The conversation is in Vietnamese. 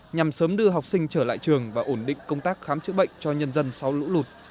nhằm sớm đưa học sinh trở lại trường và ổn định công tác khám chữa bệnh cho nhân dân sau lũ lụt